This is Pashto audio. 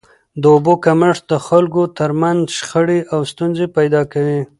د اوبو کمښت د خلکو تر منځ شخړي او ستونزي پیدا کوي.